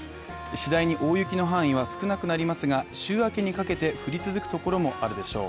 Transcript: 次第に大雪の範囲は少なくなりますが週明けにかけて降り続くところもあるでしょう。